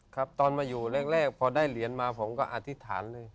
ครับตอนมาอยู่แรกพอได้เหรียญมาผมก็อธิษฐานเลย